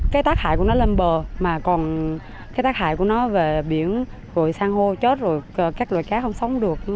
cái tác hại của nó lên bờ mà còn cái tác hại của nó về biển rồi san hô chết rồi các loại cá không sống được